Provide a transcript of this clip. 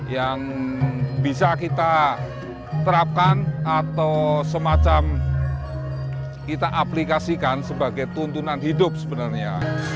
yang bisa kita terapkan atau semacam kita aplikasikan sebagai tuntunan hidup sebenarnya